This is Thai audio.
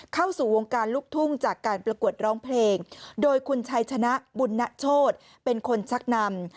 เข้าสู่วงการลูกทุ่งจากการประกวดร้องเพลงโดยคุณชัยชนะบุญนโชธเป็นคนชักนำ